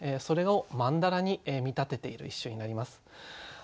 それを曼荼羅に見立てている一首になります。